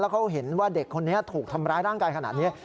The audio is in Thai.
เขาเห็นว่าเด็กคนนี้ถูกทำร้ายร่างกายขนาดนี้